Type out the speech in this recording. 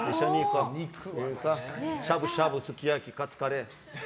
しゃぶしゃぶ、すき焼きカツカレー。